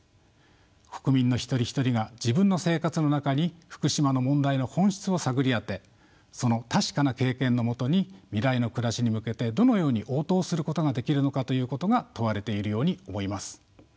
国民の一人一人が自分の生活の中に福島の問題の本質を探り当てその確かな経験のもとに未来の暮らしに向けてどのように応答することができるのかということが問われているように思います。